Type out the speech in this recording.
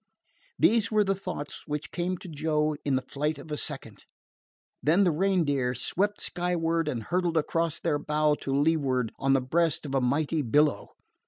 These were the thoughts which came to Joe in the flight of a second. Then the Reindeer swept skyward and hurtled across their bow to leeward on the breast of a mighty billow.